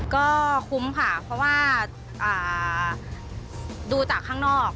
ก็คุ้มค่ะเพราะว่าดูจากข้างนอก